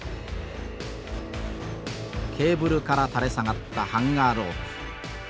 ケーブルから垂れ下がったハンガー・ロープ。